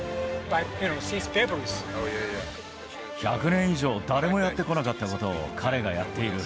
１００年以上、誰もやってこなかったことを、彼がやっている。